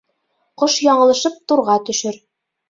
Ҡош яңылышып турға төшөр.